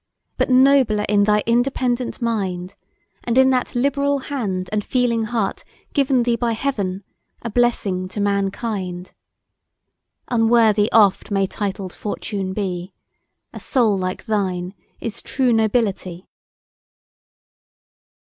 But nobler in thy independent mind; And in that liberal hand and feeling heart Given thee by Heaven a blessing to mankind! Unworthy oft may titled fortune be; A soul like thine is true Nobility!